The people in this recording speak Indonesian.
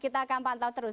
kita akan pantau terus